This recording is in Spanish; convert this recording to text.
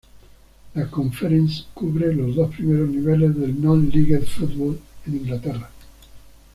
La Conference cubre los dos primeros niveles del Non-League football en Inglaterra.